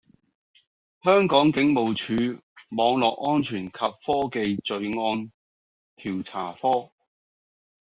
香港警務處網絡安全及科技罪案調查科